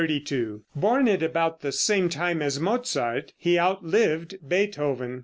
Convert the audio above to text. Born at about the same time as Mozart, he outlived Beethoven.